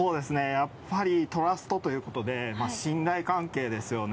やっぱりトラストということでまぁ信頼関係ですよね。